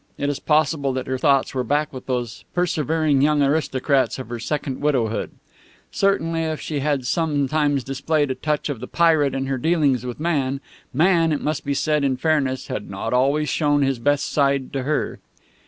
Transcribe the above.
It is possible that her thoughts were back with those persevering young aristocrats of her second widowhood. Certainly, if she had sometimes displayed a touch of the pirate in her dealings with man, man, it must be said in fairness, had not always shown his best side to her.